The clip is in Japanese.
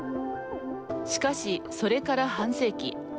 しかし、それから半世紀。